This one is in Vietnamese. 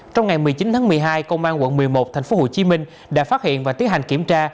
trong ngày một mươi chín tháng một mươi hai công an quận một mươi một tp hcm đã phát hiện và tiến hành kiểm tra